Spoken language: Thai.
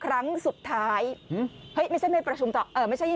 ครั้งสุดท้ายเฮ้ยไม่ใช่ไม่ประชุมต่อเอ่อไม่ใช่